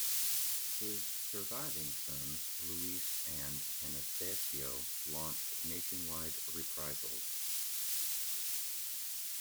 His surviving sons Luis and Anastasio launched nationwide reprisals.